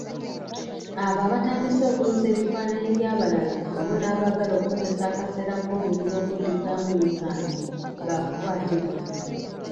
Abo abatandise okuyuza ebifananyi bya balala wamu nabaagala okukozesa akaseera k'obululu okuddizaamu emisango, bakukwatibwa.